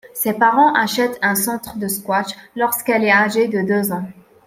Ses parents achètent un centre de squash lorsqu'elle est âgée de deux ans.